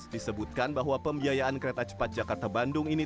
disebutkan bahwa pembiayaan kereta cepat jakarta bandung ini